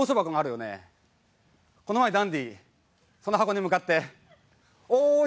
この前ダンディその箱に向かって「おい」